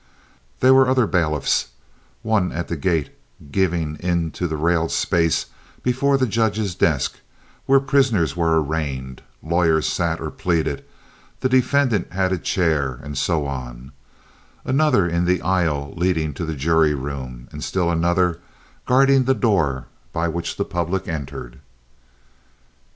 There were other bailiffs—one at the gate giving into the railed space before the judge's desk, where prisoners were arraigned, lawyers sat or pleaded, the defendant had a chair, and so on; another in the aisle leading to the jury room, and still another guarding the door by which the public entered.